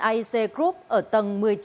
aec group ở tầng một mươi chín